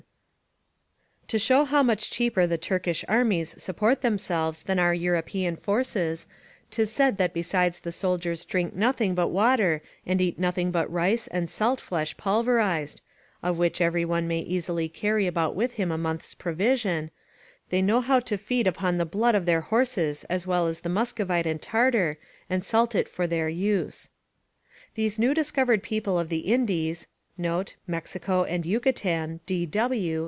6, ext. 1.] To shew how much cheaper the Turkish armies support themselves than our European forces, 'tis said that besides the soldiers drink nothing but water and eat nothing but rice and salt flesh pulverised (of which every one may easily carry about with him a month's provision), they know how to feed upon the blood of their horses as well as the Muscovite and Tartar, and salt it for their use. These new discovered people of the Indies [Mexico and Yucatan D.W.